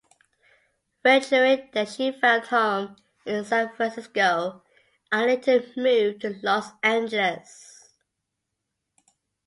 Venturing there she found home in San Francisco and later moved to Los Angeles.